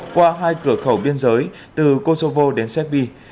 qua hai cửa khẩu biên giới từ kosovo đến serbi